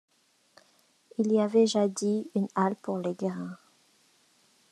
Il y avait jadis une halle pour les grains.